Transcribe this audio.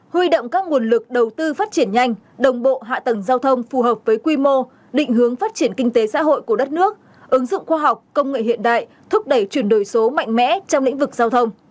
huy động các nguồn lực đầu tư phát triển nhanh đồng bộ hạ tầng giao thông phù hợp với quy mô định hướng phát triển kinh tế xã hội của đất nước ứng dụng khoa học công nghệ hiện đại thúc đẩy chuyển đổi số mạnh mẽ trong lĩnh vực giao thông